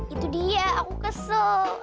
itu dia aku kesel